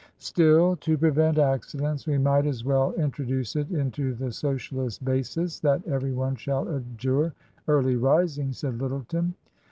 • StiU, to prevent accidents, we might as wdl intro duce it into the Socialist Basis that ex^eryone shall abjure eariy rising, said L>^eton.